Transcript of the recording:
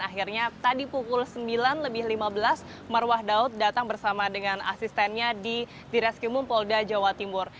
akhirnya tadi pukul sembilan lebih lima belas marwah daud datang bersama dengan asistennya di reskimum polda jawa timur